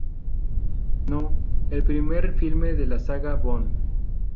No", el primer filme de la saga Bond.